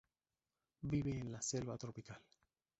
Vive en la selva tropical.